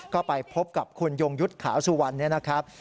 ก็ไปพบกับคุณยงยุทธ์ขาวสุวรรณเนี่ยนะครับ